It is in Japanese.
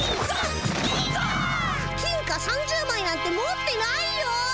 金貨３０まいなんて持ってないよ。